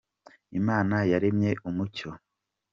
imana yaremye umucyo